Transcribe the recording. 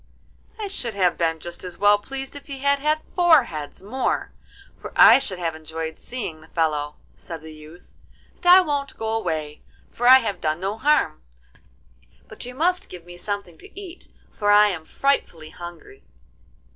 'I should have been just as well pleased if he had had four heads more, for I should have enjoyed seeing the fellow,' said the youth; 'and I won't go away, for I have done no harm, but you must give me something to eat, for I am frightfully hungry.